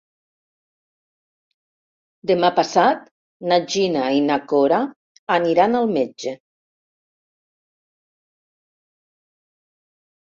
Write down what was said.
Demà passat na Gina i na Cora aniran al metge.